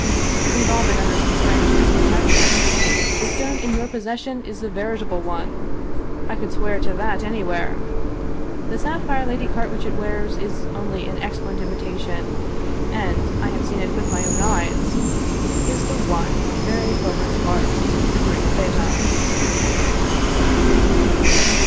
" We've all been under some strange misconception. The stone in your possession is the veritable one. I could swear to that anywhere. The sapphire Lady Carwitchet wears is only an excellent Imitation, and — I have seen it with my own eyes — is the one bearing Bogaerts's mark, the Greek Beta."